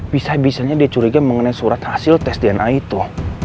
bisa bisanya dia curiga mengenai surat hasil tes dna itu